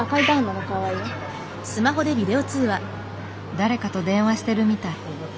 誰かと電話してるみたい。